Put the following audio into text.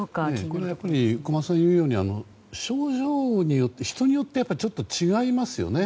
これは小松さんが言うように症状によって人によって違いますよね。